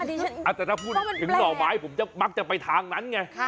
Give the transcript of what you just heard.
แต่ถ้าพูดถึงหน่อไม้ผมจะมักจะไปทางนั้นไง